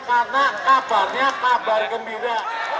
karena kabarnya kabar gembira